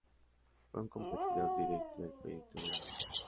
Fue un competidor directo del proyecto Buran.